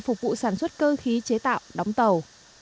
phục vụ sản xuất cơ khí chế tạo đóng tàu